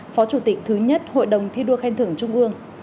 phó chủ tịch thứ nhất hội đồng thi đua khen thưởng trung ương